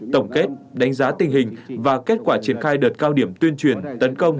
tổng kết đánh giá tình hình và kết quả triển khai đợt cao điểm tuyên truyền tấn công